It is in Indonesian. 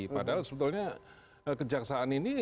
padahal sebetulnya kejaksaan ini